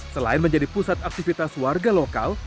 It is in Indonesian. selain menjadi pusat aktivitas warga lokal